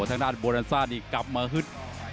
ทางด้านโบดันซ่านี่กลับมาฮึด